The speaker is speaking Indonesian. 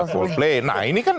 fall play nah ini kan